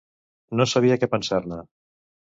No sabia què pensar-ne